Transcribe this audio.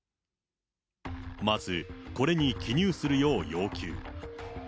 まず、これに記入するよう要求。